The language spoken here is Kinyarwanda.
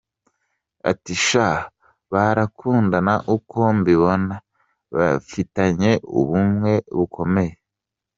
Ati « Sha barakundana uko mbibona, bafitanye ubumwe bukomeye.